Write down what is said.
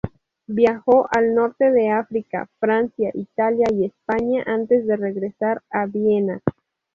Viajó al Norte de África, Francia, Italia y España antes de regresar a Viena.